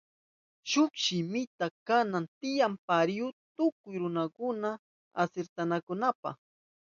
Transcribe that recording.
Shuk shimika kanan tiyan parihu tukuy runarayku asirtanakunankunapa.